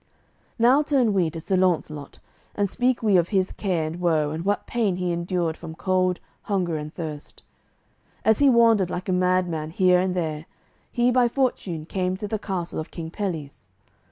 Now turn we to Sir Launcelot, and speak we of his care and woe and what pain he endured from cold, hunger, and thirst. As he wandered like a mad man here and there, he by fortune came to the castle of King Pelles.